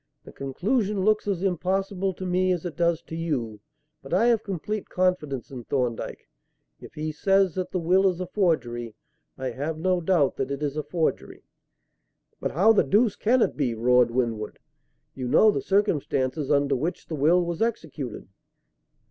The conclusion looks as impossible to me as it does to you; but I have complete confidence in Thorndyke. If he says that the will is a forgery, I have no doubt that it is a forgery." "But how the deuce can it be?" roared Winwood. "You know the circumstances under which the will was executed."